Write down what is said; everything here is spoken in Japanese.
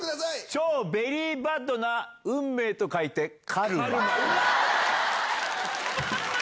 超ベリーバッドな運命と書いて、カルマ。